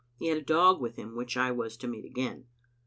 He had a dog with him which I was to meet again.